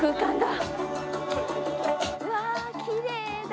うわきれいだ！